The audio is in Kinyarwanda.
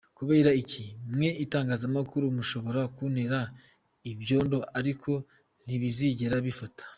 Kubera iki?..mwe itangazamakuru mushobora kuntera ibyondo ariko ntibizigera bifata.”